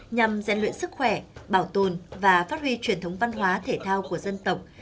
nhằm gian luyện sức khỏe bảo tồn và phát huy truyền thống văn hóa thể thao của dân tộc